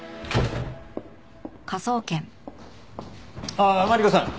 ああマリコさん。